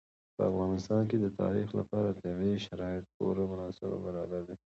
په افغانستان کې د تاریخ لپاره طبیعي شرایط پوره مناسب او برابر دي.